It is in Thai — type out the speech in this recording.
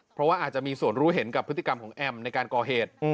เพราะว่าอาจจะมีส่วนรู้เห็นกับพฤติกรรมของแอมในการก่อเหตุ